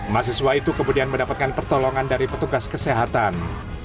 mahasiswa itu kemudian mendapatkan pertolongan dari petugas kesehatan